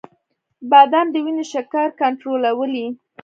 • بادام د وینې شکر کنټرولوي.